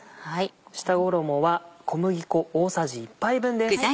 下衣は小麦粉大さじ１杯分です。